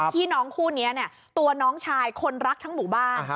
พี่น้องคู่นี้ตัวน้องชายคนรักทั้งหมู่บ้าน